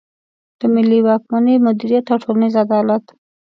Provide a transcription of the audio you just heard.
د ملي واکمني مدیریت او ټولنیز عدالت.